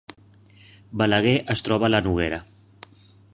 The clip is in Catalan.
Balaguer es troba a la Noguera